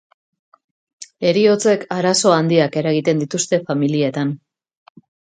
Heriotzek arazo handiak eragiten dituzte familietan.